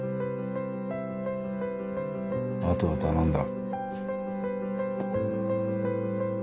あとは頼んだ。